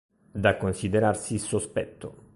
Da considerarsi sospetto.